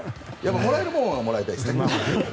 もらえるものはもらいたいですね。